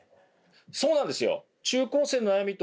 そうなんですよ。